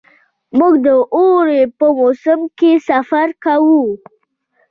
موږ د اوړي په موسم کې سفر کوو.